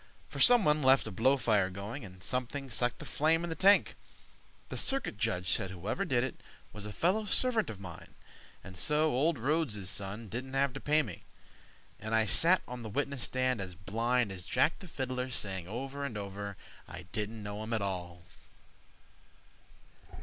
For someone left a blow—fire going, And something sucked the flame in the tank. The Circuit Judge said whoever did it Was a fellow servant of mine, and so Old Rhodes' son didn't have to pay me. And I sat on the witness stand as blind As Jack the Fiddler, saying over and over, "I didn't know him at all."